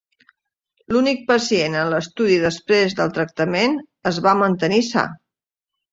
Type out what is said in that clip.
L'únic pacient en l'estudi després del tractament es va mantenir sa.